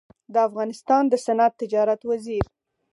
د افغانستان د صنعت تجارت وزیر